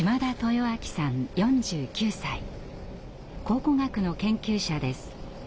考古学の研究者です。